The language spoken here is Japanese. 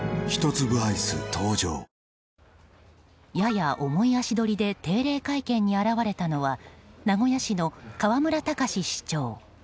やや重い足取りで定例会見に現れたのは名古屋市の河村たかし市長。